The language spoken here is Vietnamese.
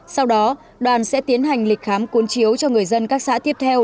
sau đó đoàn sẽ tiến hành lịch khám cuốn chiếu cho người dân các xã tiếp theo